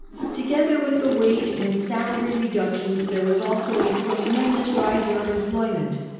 Together with the wage and salary reductions there was also a tremendous rise in unemployment.